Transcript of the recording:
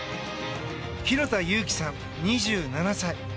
広田有紀さん、２７歳。